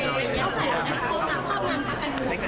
ได้กระจกรรมแหล่ง๖พักนะคะ